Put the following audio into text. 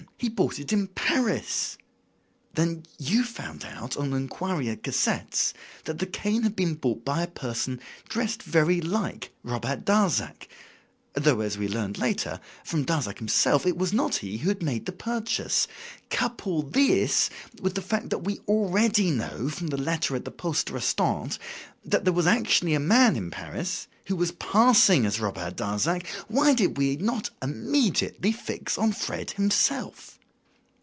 He bought it in Paris'? Then you found out, on inquiry at Cassette's, that the cane had been bought by a person dressed very like Robert Darzac, though, as we learned later, from Darzac himself, it was not he who had made the purchase. Couple this with the fact we already knew, from the letter at the poste restante, that there was actually a man in Paris who was passing as Robert Darzac, why did we not immediately fix on Fred himself?